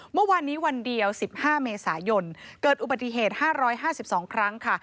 เมื่อวานนี้วันเดียว๑๕เมษายนเกิดอุบัติเหตุ๕๕๒ครั้งค่ะ